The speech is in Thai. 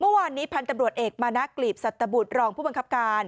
เมื่อวานนี้พันธุ์ตำรวจเอกมานะกลีบสัตบุตรรองผู้บังคับการ